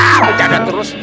aah berjalan jalan terus